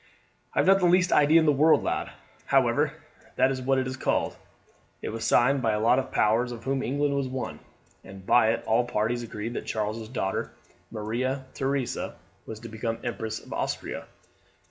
"I have not the least idea in the world, lad. However, that is what it is called. It was signed by a lot of powers, of whom England was one, and by it all parties agreed that Charles's daughter Maria Theresa was to become Empress of Austria.